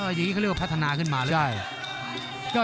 อย่างนี้เขาเรียกว่าพัฒนาขึ้นมาเรื่อย